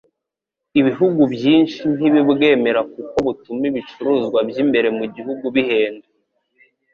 ibihugu byinshi ntibibwemera kuko butuma ibicuruzwa by'imbere mu gihugu bihenda,